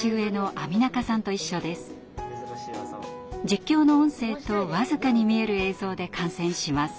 実況の音声と僅かに見える映像で観戦します。